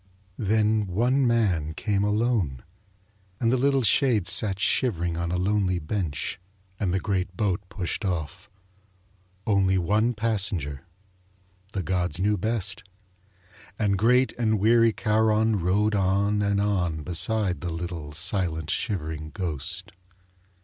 Then one man came alone. And the little shade sat shivering on a lonely bench and the great boat pushed off. Only one passenger: the gods knew best. And great and weary Charon rowed on and on beside the little, silent, shivering ghost.